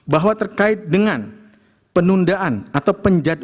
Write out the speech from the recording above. empat bahwa terkait dengan penundaan atau penjaduan